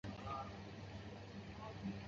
羚角密刺蟹为蜘蛛蟹科密刺蟹属的动物。